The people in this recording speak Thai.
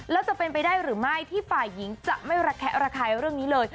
แล้วจะเป็นไปได้หรือไม่ที่ฝ่ายหญิงจะไม่ระแคะระคายเรื่องนี้เลย